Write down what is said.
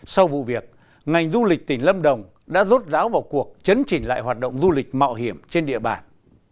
sau vụ việc ngành du lịch tỉnh lâm đồng đã rốt ráo vào cuộc chấn chỉnh lại hoạt động du lịch mạo hiểm trên địa bàn